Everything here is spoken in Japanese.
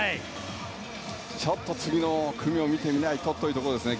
次の組を見てみないとというところですね。